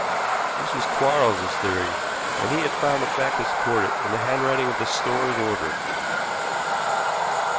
This was Quarles's theory, and he had found the fact to support it in the handwriting of the store's order.